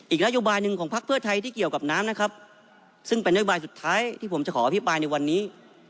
อีกนโยบายหนึ่งของพักเพื่อไทยที่เกี่ยวกับน้ำนะครับซึ่งเป็นนโยบายสุดท้ายที่ผมจะขออภิปรายในวันนี้